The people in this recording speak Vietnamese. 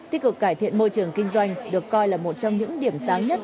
tích cực cải thiện môi trường kinh doanh được coi là một trong những điểm sáng nhất